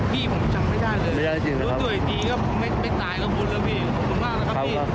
พี่ผมจำไม่ได้เลยรถตัวอีกทีก็ไม่ตายระบุญแล้วพี่กรรมมากครับพี่